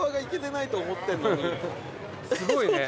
すごいね。